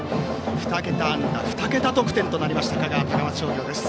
２桁安打２桁得点となりました香川・高松商業です。